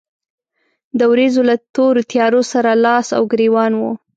د ورېځو له تورو تيارو سره لاس او ګرېوان و.